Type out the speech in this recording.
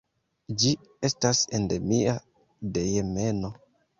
Ĝi estas endemia de Jemeno.